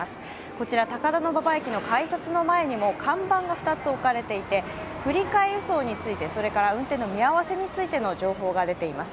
こちら高田馬場駅の目の前にも、看板が２つ置かれていて、振り替え輸送について、それから運転の見合わせについての情報が出ています。